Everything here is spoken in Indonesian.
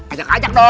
ajak ajak dong